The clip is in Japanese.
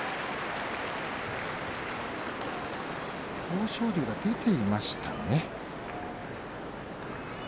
豊昇龍が出ていましたね。